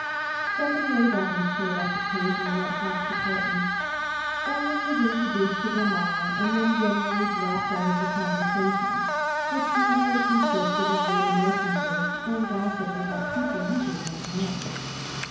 Seven or eight others showed up occasionally at Hawkes' apartment. Alan was introduced to them all, and then generally dropped out of the conversation, which usually consisted of reminiscences and gossip about people he did not know.